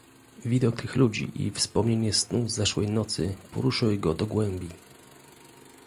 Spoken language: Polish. "Widok tych ludzi i wspomnienie snu zeszłej nocy poruszyły go do głębi."